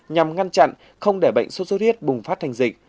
nhằm ngăn chặn không để bệnh sốt xuất huyết bùng phát thành dịch